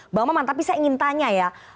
mbak mamah tapi saya ingin tanya ya